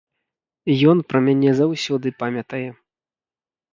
Ён пра мяне заўсёды памятае.